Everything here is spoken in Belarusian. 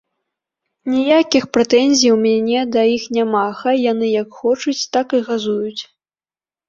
Ніякіх прэтэнзій у мяне да іх няма, хай яны як хочуць, так і газуюць.